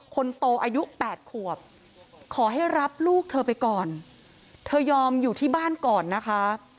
คนโตอายุ๘ขวบขอให้รับลูกเธอไปก่อนเธอยอมอยู่ที่บ้านก่อนนะคะ